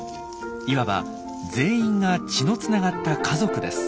いわば全員が血のつながった家族です。